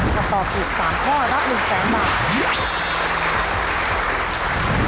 ถ้าตอบถูกสามข้อรับหนึ่งแสนบาท